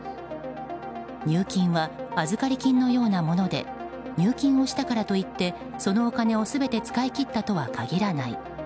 入金は預かり金のようなもので入金をしたからといってそのお金を全て使い切ったとは限らない。